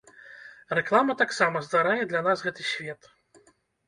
Рэклама таксама стварае для нас гэты свет.